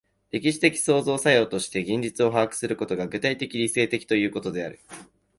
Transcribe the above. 歴史的創造作用として現実を把握することが、具体的理性的ということである。